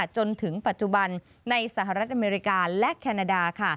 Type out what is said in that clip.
จนถึงปัจจุบันในสหรัฐอเมริกาและแคนาดาค่ะ